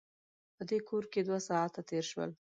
په دې کور کې دوه ساعته تېر شول.